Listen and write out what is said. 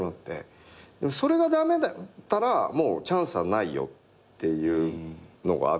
それが駄目だったらチャンスはないよっていうのがあって。